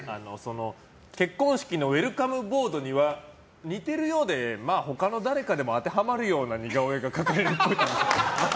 結婚式のウェルカムボードには似てるようで、まあ他の誰かでも当てはまるような似顔絵が描かれるっぽい。